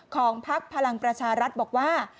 พักพลังประชารัฐบอกว่า